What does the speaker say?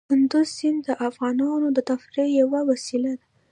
کندز سیند د افغانانو د تفریح یوه وسیله ده.